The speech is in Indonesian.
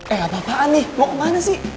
eh apa apaan nih mau kemana sih